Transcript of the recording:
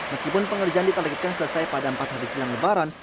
meskipun pengerjaan ditalikkan selesai pada empat hari jalan lebaran